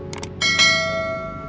ini adalah tempat yang paling menyenangkan